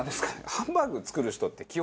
ハンバーグ作る人って基本